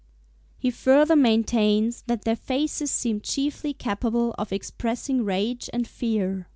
He further maintains that their faces "seem chiefly capable of expressing rage and fear."